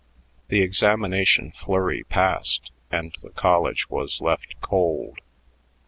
The examination flurry passed, and the college was left cold.